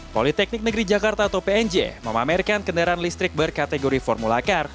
politeknik negeri jakarta atau pnj memamerkan kendaraan listrik berkategori formula car